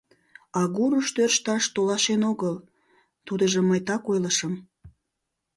Агурыш тӧршташ толашен огыл, тудыжым мый так ойлышым.